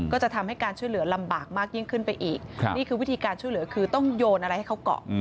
ก็จะทำให้การช่วยเหลือลำบากมากยิ่งขึ้นไปอีกนี่คือวิธีการช่วยเหลือคือต้องโยนอะไรให้เขาเกาะ